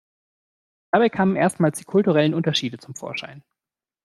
Dabei kamen erstmals die kulturellen Unterschiede zum Vorschein.